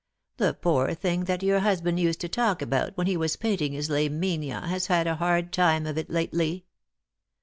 The poor thing that your husband used to talk about when he was painting his Laminia has had a hard time of it lately."